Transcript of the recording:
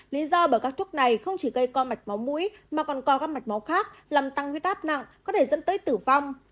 lý do bởi các thuốc này không chỉ gây co mạch máu mũi mà còn có các mạch máu khác làm tăng huyết áp nặng có thể dẫn tới tử vong